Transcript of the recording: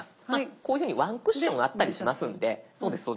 こういうふうにワンクッションあったりしますんで。